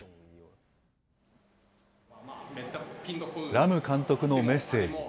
ラム監督のメッセージ。